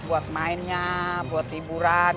buat mainnya buat hiburan